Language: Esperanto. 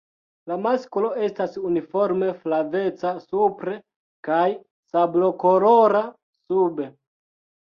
La masklo estas uniforme flaveca supre kaj sablokolora sube.